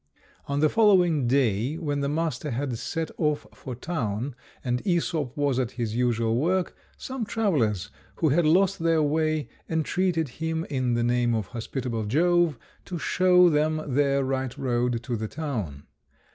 On the following day, when the master had set off for town, and Æsop was at his usual work, some travellers who had lost their way entreated him, in the name of hospitable Jove, to show them their right road to the town.